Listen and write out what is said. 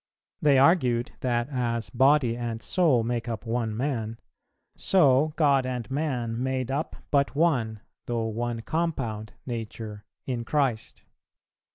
They argued that as body and soul made up one man, so God and man made up but one, though one compound Nature, in Christ.